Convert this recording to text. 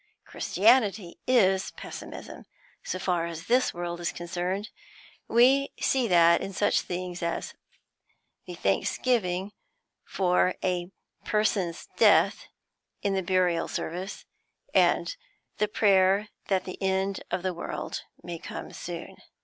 Christianity is pessimism, so far as this world is concerned; we see that in such things as the thanksgiving for a' person's death in the burial service, and the prayer that the end of the world may soon come."